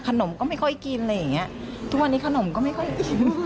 ผมก็ไม่ค่อยกินอะไรอย่างเงี้ยทุกวันนี้ขนมก็ไม่ค่อยกิน